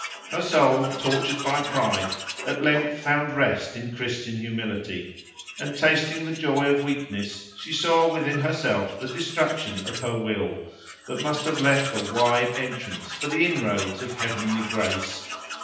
Her soul, tortured by pride, at length found rest in Christian humility, and, tasting the joy of weakness, she saw within herself the destruction of her will, that must have left a wide entrance for the inroads of heavenly grace.